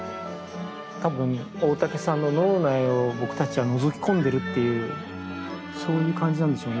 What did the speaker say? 多分大竹さんの脳内を僕たちはのぞき込んでるっていうそういう感じなんでしょうね